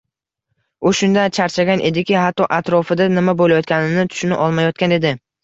U shunday charchagan ediki, hatto atrofida nima bo`layotganini tushuna olmayotgan edi